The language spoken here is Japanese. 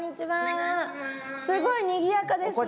すごいにぎやかですね。